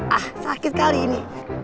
ah sakit sekali ini